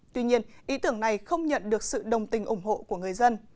tuy nhiên ý tưởng này không nhận được sự đồng tình ủng hộ của người dân